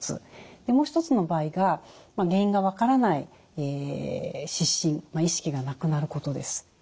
でもう一つの場合が原因が分からない失神意識がなくなることです。